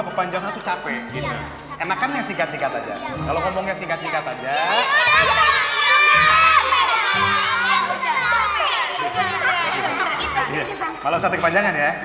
kepanjang atau capek enakan yang singkat singkat aja kalau ngomongnya singkat singkat aja